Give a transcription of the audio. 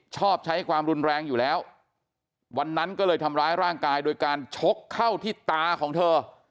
ชอบใช้ความรุนแรงอยู่แล้ววันนั้นก็เลยทำร้ายร่างกายโดยการชกเข้าที่ตาของเธอ